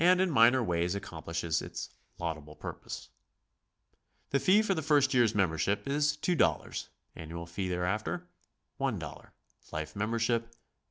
in minor ways accomplishes its laudable purpose. The fee for the first year's membership is $2; annual fee thereafter, $i ; life membership, $25.